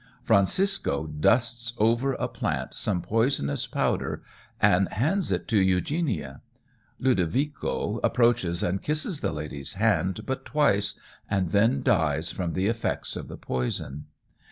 Francisco dusts over a plant some poisonous powder and hands it to Eugenia. Ludovico approaches, and kisses the lady's hand but twice, and then dies from the effects of the poison.